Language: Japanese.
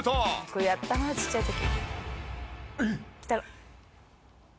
これやったなちっちゃい時。